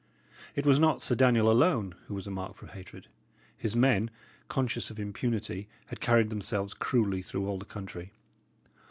It was not Sir Daniel alone who was a mark for hatred. His men, conscious of impunity, had carried themselves cruelly through all the country.